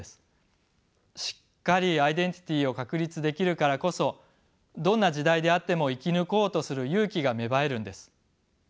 しっかりアイデンティティーを確立できるからこそどんな時代であっても生き抜こうとする勇気が芽生えるんです。